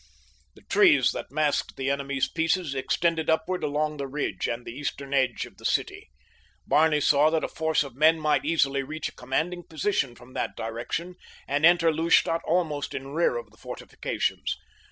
The trees that masked the enemy's pieces extended upward along the ridge and the eastern edge of the city. Barney saw that a force of men might easily reach a commanding position from that direction and enter Lustadt almost in rear of the fortifications.